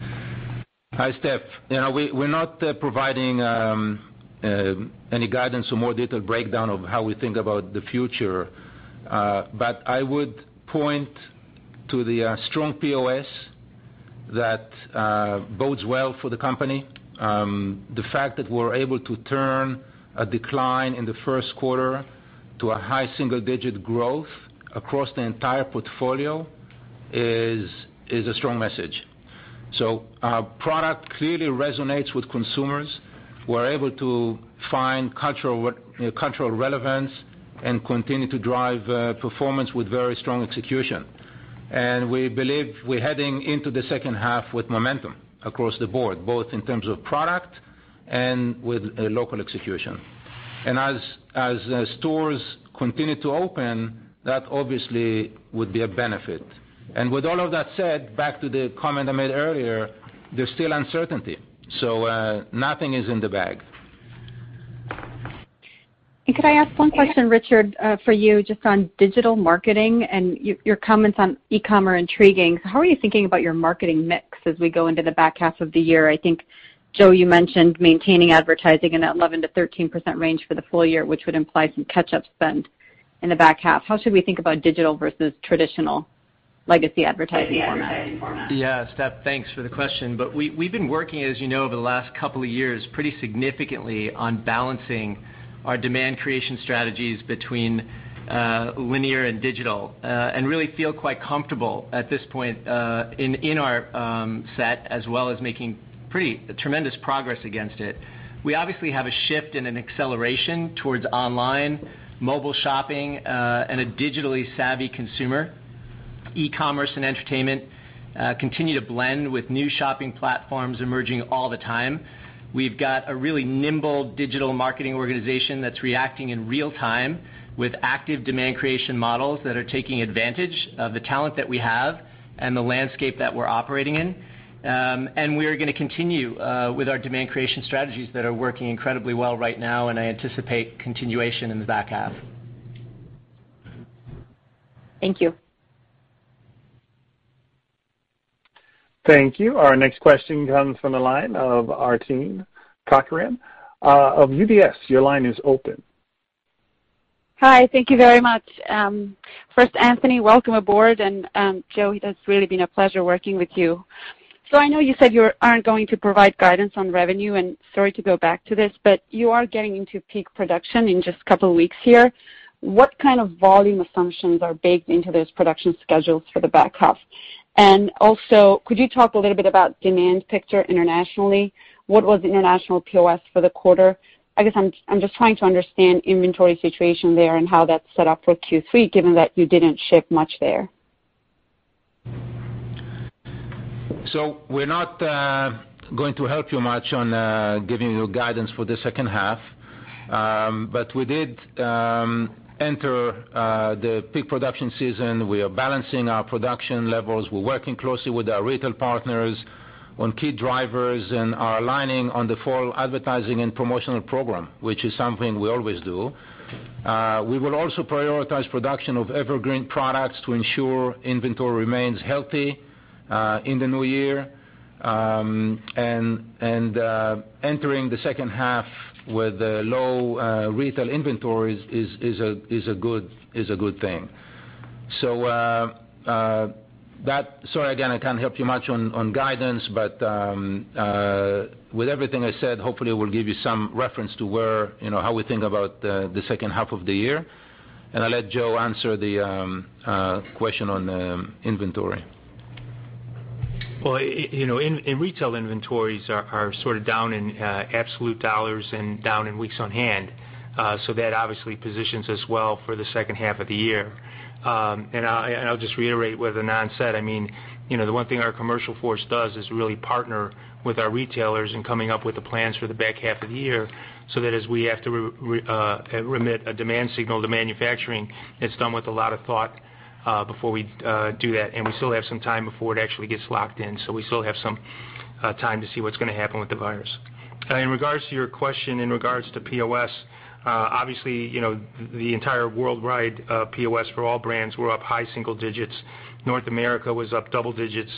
Hi, Steph. We're not providing any guidance or more detailed breakdown of how we think about the future. I would point to the strong POS that bodes well for the company. The fact that we're able to turn a decline in the first quarter to a high single-digit growth across the entire portfolio is a strong message. Our product clearly resonates with consumers. We're able to find cultural relevance and continue to drive performance with very strong execution. We believe we're heading into the second half with momentum across the board, both in terms of product and with local execution. As stores continue to open, that obviously would be a benefit. With all of that said, back to the comment I made earlier, there's still uncertainty. Nothing is in the bag. Could I ask one question, Richard, for you just on digital marketing? Your comments on e-commerce are intriguing. How are you thinking about your marketing mix as we go into the back half of the year? I think, Joe, you mentioned maintaining advertising in that 11%-13% range for the full year, which would imply some catch-up spend in the back half. How should we think about digital versus traditional legacy advertising format? Yeah, Steph, thanks for the question. We have been working, as you know, over the last couple of years pretty significantly on balancing our demand creation strategies between linear and digital and really feel quite comfortable at this point in our set as well as making pretty tremendous progress against it. We obviously have a shift and an acceleration towards online, mobile shopping, and a digitally savvy consumer. E-commerce and entertainment continue to blend with new shopping platforms emerging all the time. We have a really nimble digital marketing organization that is reacting in real time with active demand creation models that are taking advantage of the talent that we have and the landscape that we are operating in. We are going to continue with our demand creation strategies that are working incredibly well right now, and I anticipate continuation in the back half. Thank you. Thank you. Our next question comes from the line of Arpine Kocharian of UBS. Your line is open. Hi. Thank you very much. First, Anthony, welcome aboard. And Joe, it has really been a pleasure working with you. I know you said you aren't going to provide guidance on revenue, and sorry to go back to this, but you are getting into peak production in just a couple of weeks here. What kind of volume assumptions are baked into those production schedules for the back half? Also, could you talk a little bit about demand picture internationally? What was the international POS for the quarter? I guess I'm just trying to understand inventory situation there and how that's set up for Q3, given that you didn't ship much there. We're not going to help you much on giving you guidance for the second half. We did enter the peak production season. We are balancing our production levels. We're working closely with our retail partners on key drivers and are aligning on the full advertising and promotional program, which is something we always do. We will also prioritize production of evergreen products to ensure inventory remains healthy in the new year. Entering the second half with low retail inventories is a good thing. Sorry, again, I can't help you much on guidance, but with everything I said, hopefully it will give you some reference to how we think about the second half of the year. I'll let Joe answer the question on inventory. Retail inventories are sort of down in absolute dollars and down in weeks on hand. That obviously positions us well for the second half of the year. I'll just reiterate what Ynon said. I mean, the one thing our commercial force does is really partner with our retailers and coming up with the plans for the back half of the year so that as we have to remit a demand signal to manufacturing, it's done with a lot of thought before we do that. We still have some time before it actually gets locked in. We still have some time to see what's going to happen with the virus. In regards to your question in regards to POS, obviously the entire worldwide POS for all brands were up high single digits. North America was up double digits.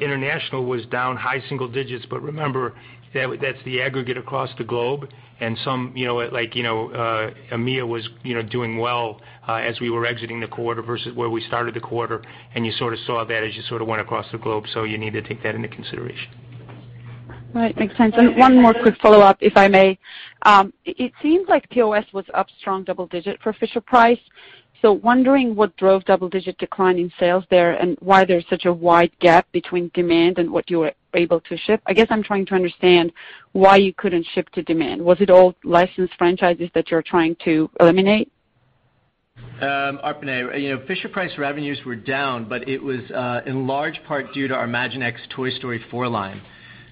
International was down high single digits. Remember, that's the aggregate across the globe. Some like EMEA was doing well as we were exiting the quarter versus where we started the quarter. You sort of saw that as you sort of went across the globe. You need to take that into consideration. All right. Makes sense. One more quick follow-up, if I may. It seems like POS was up strong double digit for Fisher-Price. Wondering what drove double digit decline in sales there and why there's such a wide gap between demand and what you were able to ship. I guess I'm trying to understand why you couldn't ship to demand. Was it all licensed franchises that you're trying to eliminate? Fisher-Price revenues were down, but it was in large part due to our Imaginext Toy Story 4 line.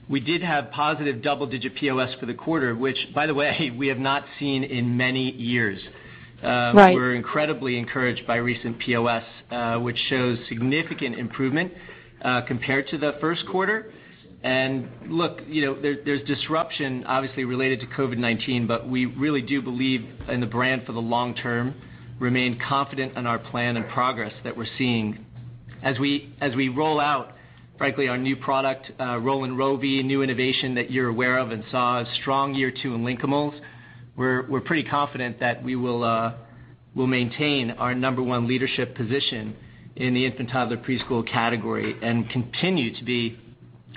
We did have positive double digit POS for the quarter, which, by the way, we have not seen in many years. We're incredibly encouraged by recent POS, which shows significant improvement compared to the first quarter. Look, there's disruption, obviously, related to COVID-19, but we really do believe in the brand for the long term, remain confident in our plan and progress that we're seeing. As we roll out, frankly, our new product, Color Reveal, new innovation that you're aware of and saw a strong year two in Linkables, we're pretty confident that we will maintain our number one leadership position in the infant/toddler preschool category and continue to be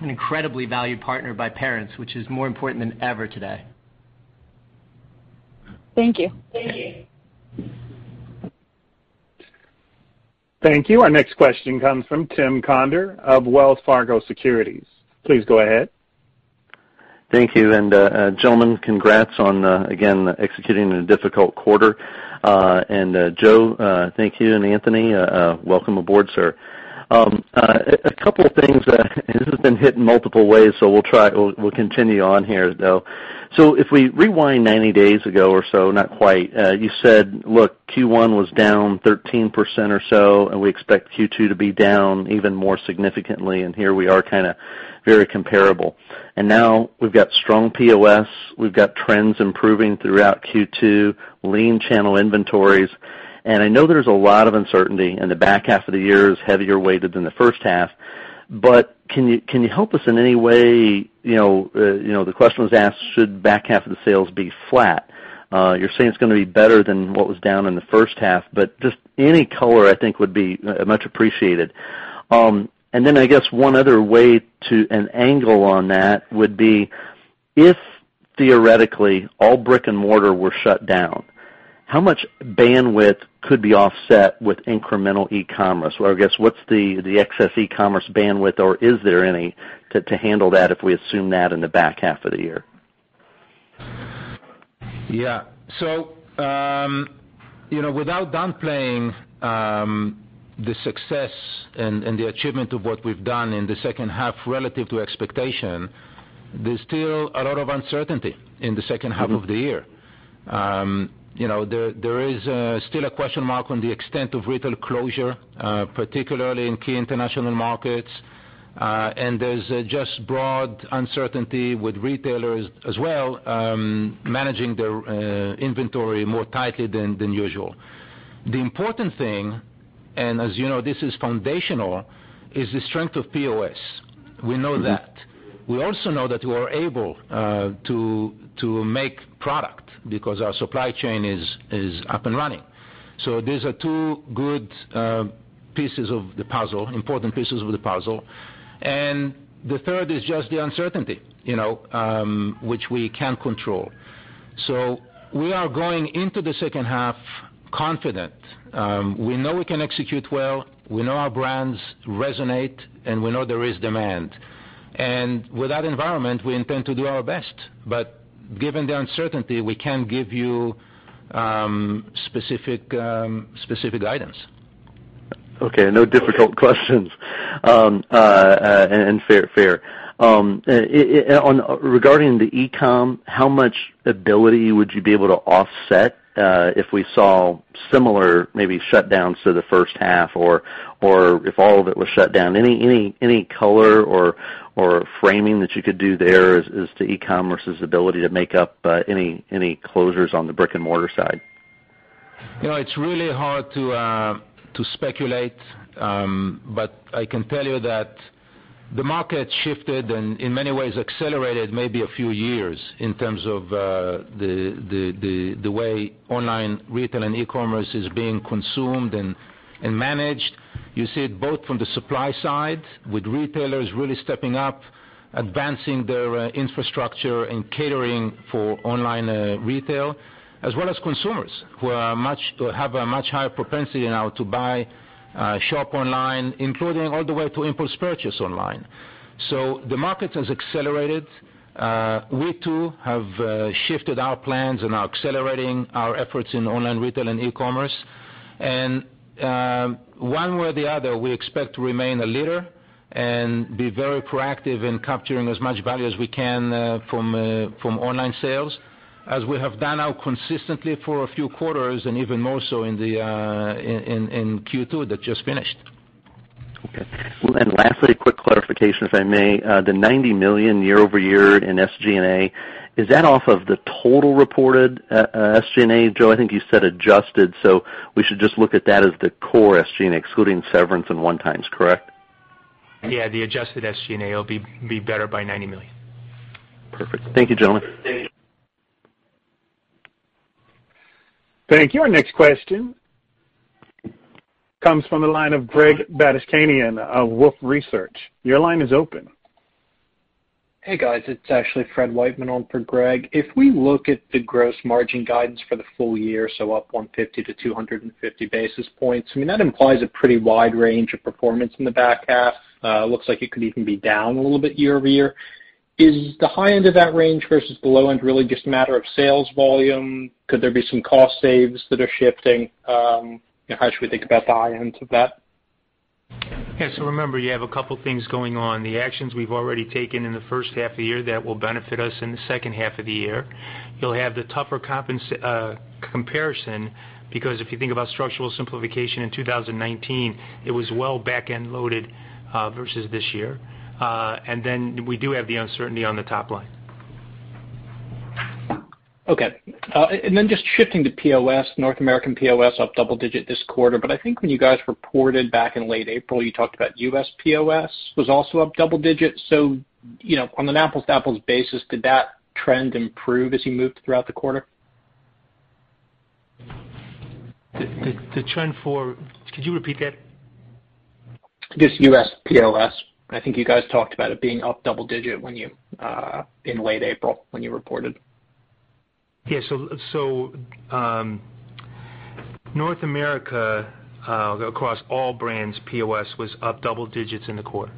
an incredibly valued partner by parents, which is more important than ever today. Thank you. Thank you. Thank you. Our next question comes from Tim Conder of Wells Fargo Securities. Please go ahead. Thank you. Gentlemen, congrats on, again, executing a difficult quarter. Joe, thank you. Anthony, welcome aboard, sir. A couple of things, and this has been hit in multiple ways, so we'll continue on here, though. If we rewind 90 days ago or so, not quite, you said, "Look, Q1 was down 13% or so, and we expect Q2 to be down even more significantly." Here we are kind of very comparable. Now we've got strong POS. We've got trends improving throughout Q2, lean channel inventories. I know there's a lot of uncertainty, and the back half of the year is heavier weighted than the first half. Can you help us in any way? The question was asked, "Should back half of the sales be flat?" You're saying it's going to be better than what was down in the first half, but just any color, I think, would be much appreciated. I guess one other way to an angle on that would be, if theoretically all brick and mortar were shut down, how much bandwidth could be offset with incremental e-commerce? I guess, what's the excess e-commerce bandwidth, or is there any, to handle that if we assume that in the back half of the year? Yeah. Without downplaying the success and the achievement of what we've done in the second half relative to expectation, there's still a lot of uncertainty in the second half of the year. There is still a question mark on the extent of retail closure, particularly in key international markets. There's just broad uncertainty with retailers as well managing their inventory more tightly than usual. The important thing, and as you know, this is foundational, is the strength of POS. We know that. We also know that we are able to make product because our supply chain is up and running. These are two good pieces of the puzzle, important pieces of the puzzle. The third is just the uncertainty, which we can't control. We are going into the second half confident. We know we can execute well. We know our brands resonate, and we know there is demand. With that environment, we intend to do our best. Given the uncertainty, we can't give you specific guidance. Okay. No difficult questions and fair. Regarding the e-com, how much ability would you be able to offset if we saw similar maybe shutdowns to the first half or if all of it was shut down? Any color or framing that you could do there as to e-commerce's ability to make up any closures on the brick and mortar side? It's really hard to speculate, but I can tell you that the market shifted and in many ways accelerated maybe a few years in terms of the way online retail and e-commerce is being consumed and managed. You see it both from the supply side with retailers really stepping up, advancing their infrastructure and catering for online retail, as well as consumers who have a much higher propensity now to buy, shop online, including all the way to impulse purchase online. The market has accelerated. We too have shifted our plans and are accelerating our efforts in online retail and e-commerce. One way or the other, we expect to remain a leader and be very proactive in capturing as much value as we can from online sales, as we have done now consistently for a few quarters and even more so in Q2 that just finished. Okay. Lastly, quick clarification, if I may. The $90 million year over year in SG&A, is that off of the total reported SG&A? Joe, I think you said adjusted, so we should just look at that as the core SG&A, excluding severance and one-times, correct? Yeah, the adjusted SG&A will be better by $90 million. Perfect. Thank you, gentlemen. Thank you. Our next question comes from the line of Greg Battistani of Wolfe Research. Your line is open. Hey, guys. It's actually Fred Wightman on for Greg. If we look at the gross margin guidance for the full year, so up 150-250 basis points, I mean, that implies a pretty wide range of performance in the back half. Looks like it could even be down a little bit year over year. Is the high end of that range versus the low end really just a matter of sales volume? Could there be some cost saves that are shifting? How should we think about the high end of that? Yeah. Remember, you have a couple of things going on. The actions we've already taken in the first half of the year that will benefit us in the second half of the year. You'll have the tougher comparison because if you think about structural simplification in 2019, it was well back end loaded versus this year. You do have the uncertainty on the top line. Okay. Just shifting to POS, North American POS up double digit this quarter. I think when you guys reported back in late April, you talked about U.S. POS was also up double digit. On an apples-to-apples basis, did that trend improve as you moved throughout the quarter? The trend for—could you repeat that? Just U.S. POS. I think you guys talked about it being up double digit in late April when you reported. Yeah. North America, across all brands, POS was up double digits in the quarter.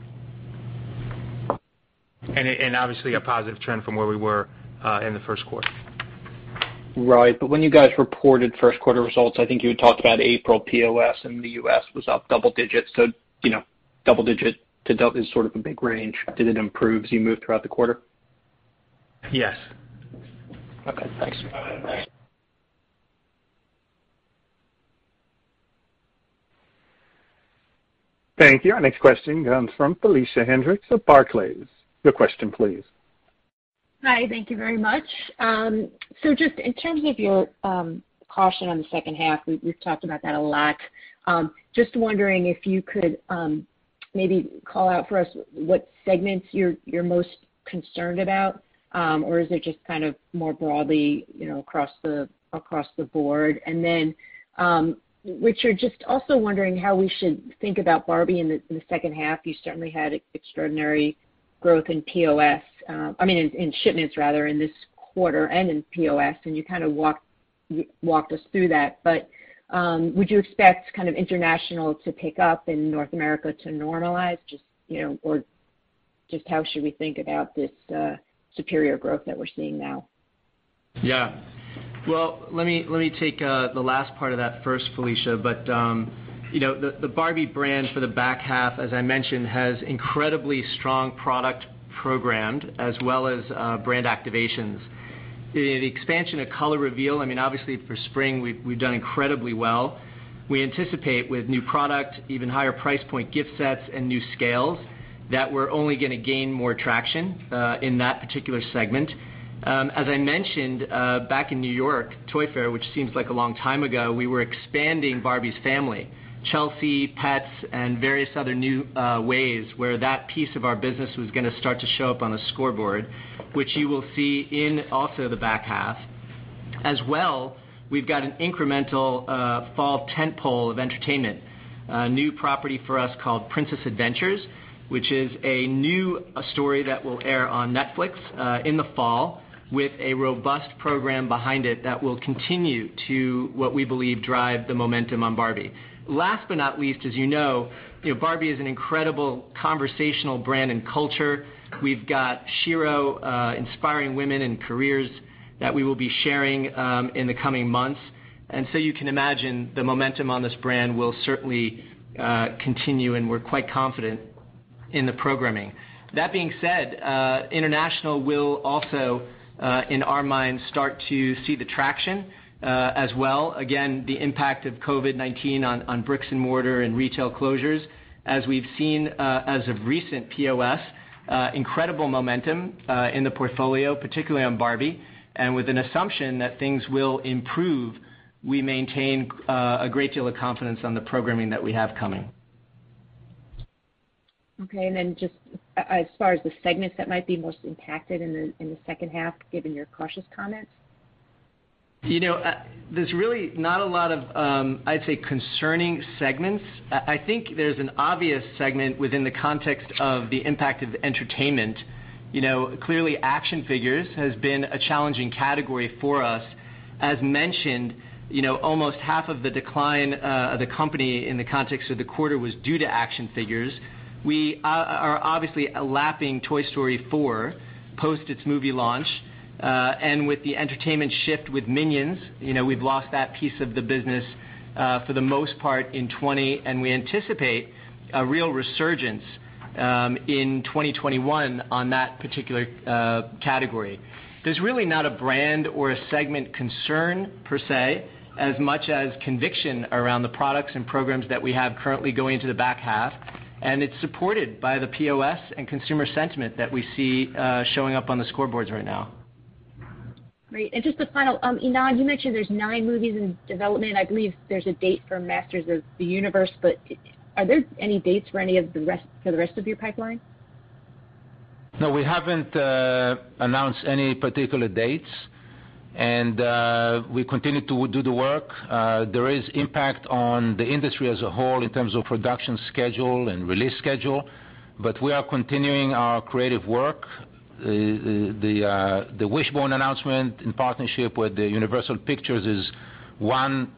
Obviously, a positive trend from where we were in the first quarter. Right. When you guys reported first quarter results, I think you had talked about April POS in the U.S. was up double digit. Double digit is sort of a big range. Did it improve as you moved throughout the quarter? Yes. Okay. Thanks. Thank you. Our next question comes from Felicia Hendrix of Barclays. Your question, please. Hi. Thank you very much. Just in terms of your caution on the second half, we've talked about that a lot. Just wondering if you could maybe call out for us what segments you're most concerned about, or is it just kind of more broadly across the board? Richard, just also wondering how we should think about Barbie in the second half. You certainly had extraordinary growth in POS, I mean, in shipments rather, in this quarter and in POS, and you kind of walked us through that. Would you expect kind of international to pick up and North America to normalize? Or just how should we think about this superior growth that we're seeing now? Yeah. Let me take the last part of that first, Felicia. The Barbie brand for the back half, as I mentioned, has incredibly strong product programmed as well as brand activations. The expansion of Color Reveal, I mean, obviously for spring, we've done incredibly well. We anticipate with new product, even higher price point gift sets and new scales, that we're only going to gain more traction in that particular segment. As I mentioned, back in New York, Toy Fair, which seems like a long time ago, we were expanding Barbie's family, Chelsea, Pets, and various other new ways where that piece of our business was going to start to show up on a scoreboard, which you will see in also the back half. As well, we've got an incremental fall tentpole of entertainment, new property for us called Princess Adventures, which is a new story that will air on Netflix in the fall with a robust program behind it that will continue to, what we believe, drive the momentum on Barbie. Last but not least, as you know, Barbie is an incredible conversational brand and culture. We've got Shiro inspiring women and careers that we will be sharing in the coming months. You can imagine the momentum on this brand will certainly continue, and we're quite confident in the programming. That being said, international will also, in our minds, start to see the traction as well. Again, the impact of COVID-19 on bricks and mortar and retail closures, as we've seen as of recent POS, incredible momentum in the portfolio, particularly on Barbie. With an assumption that things will improve, we maintain a great deal of confidence on the programming that we have coming. Okay. Just as far as the segments that might be most impacted in the second half, given your cautious comments? There's really not a lot of, I'd say, concerning segments. I think there's an obvious segment within the context of the impact of entertainment. Clearly, action figures has been a challenging category for us. As mentioned, almost half of the decline of the company in the context of the quarter was due to action figures. We are obviously lapping Toy Story 4 post its movie launch. With the entertainment shift with Minions, we've lost that piece of the business for the most part in 2020, and we anticipate a real resurgence in 2021 on that particular category. There's really not a brand or a segment concern per se, as much as conviction around the products and programs that we have currently going into the back half. It is supported by the POS and consumer sentiment that we see showing up on the scoreboards right now. Great. Just the final, Ynon, you mentioned there's nine movies in development. I believe there's a date for Masters of the Universe, but are there any dates for any of the rest for the rest of your pipeline? No, we haven't announced any particular dates, and we continue to do the work. There is impact on the industry as a whole in terms of production schedule and release schedule, but we are continuing our creative work. The Wishbone announcement in partnership with Universal Pictures is one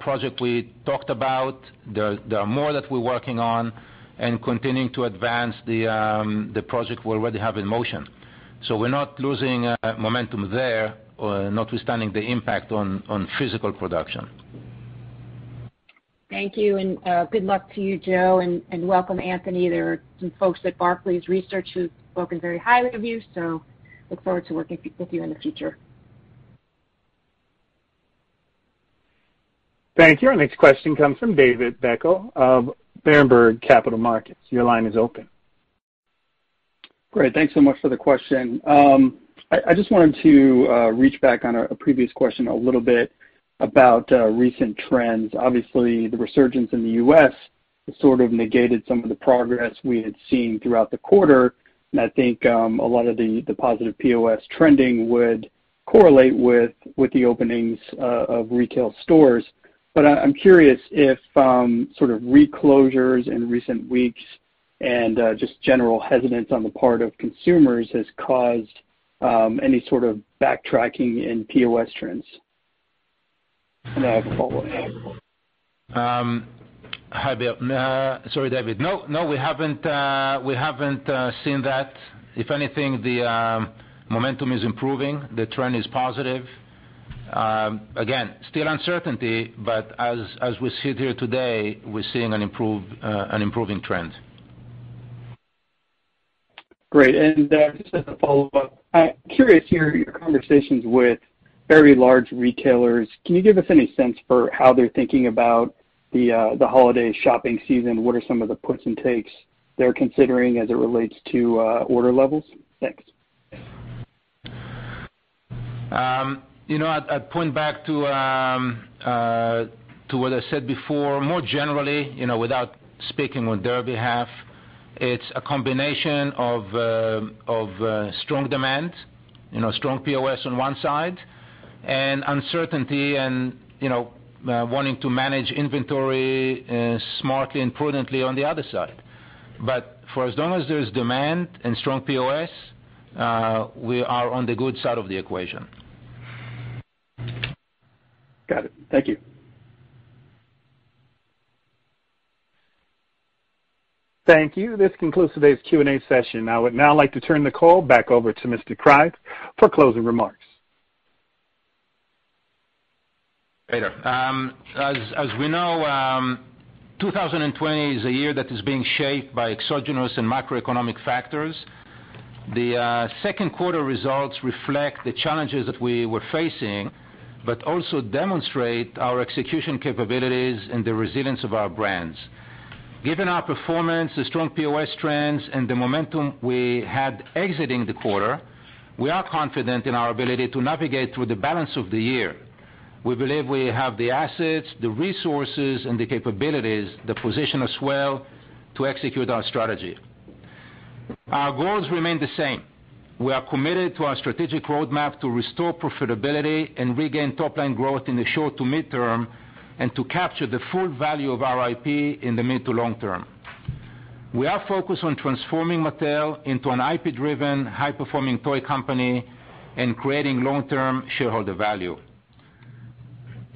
project we talked about. There are more that we're working on and continuing to advance the project we already have in motion. We are not losing momentum there, notwithstanding the impact on physical production. Thank you. Good luck to you, Joe, and welcome, Anthony. There are some folks at Barclays Research who've spoken very highly of you, so look forward to working with you in the future. Thank you. Our next question comes from David Beckel of Berenberg Capital Markets. Your line is open. Great. Thanks so much for the question. I just wanted to reach back on a previous question a little bit about recent trends. Obviously, the resurgence in the U.S. has sort of negated some of the progress we had seen throughout the quarter, and I think a lot of the positive POS trending would correlate with the openings of retail stores. I'm curious if sort of re-closures in recent weeks and just general hesitance on the part of consumers has caused any sort of backtracking in POS trends. I have a follow-up. Hi there. Sorry, David. No, we haven't seen that. If anything, the momentum is improving. The trend is positive. Again, still uncertainty, but as we sit here today, we're seeing an improving trend. Great. Just as a follow-up, I'm curious, your conversations with very large retailers, can you give us any sense for how they're thinking about the holiday shopping season? What are some of the puts and takes they're considering as it relates to order levels? Thanks. I'd point back to what I said before, more generally, without speaking on their behalf, it's a combination of strong demand, strong POS on one side, and uncertainty and wanting to manage inventory smartly and prudently on the other side. For as long as there's demand and strong POS, we are on the good side of the equation. Got it. Thank you. Thank you. This concludes today's Q&A session. I would now like to turn the call back over to Mr. Kreiz for closing remarks. Hey there. As we know, 2020 is a year that is being shaped by exogenous and macroeconomic factors. The second quarter results reflect the challenges that we were facing, but also demonstrate our execution capabilities and the resilience of our brands. Given our performance, the strong POS trends, and the momentum we had exiting the quarter, we are confident in our ability to navigate through the balance of the year. We believe we have the assets, the resources, and the capabilities, the position as well to execute our strategy. Our goals remain the same. We are committed to our strategic roadmap to restore profitability and regain top-line growth in the short to mid-term and to capture the full value of our IP in the mid to long term. We are focused on transforming Mattel into an IP-driven, high-performing toy company and creating long-term shareholder value.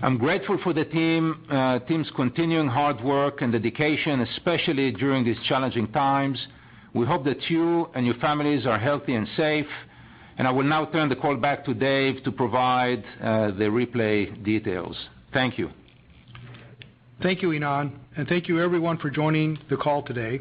I'm grateful for the team's continuing hard work and dedication, especially during these challenging times. We hope that you and your families are healthy and safe, and I will now turn the call back to Dave to provide the replay details. Thank you. Thank you, Ynon, and thank you, everyone, for joining the call today.